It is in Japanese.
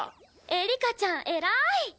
エリカちゃん偉い！